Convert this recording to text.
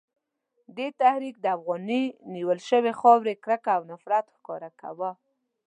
دې تحریک د افغاني نیول شوې خاورې کرکه او نفرت ښکاره کاوه.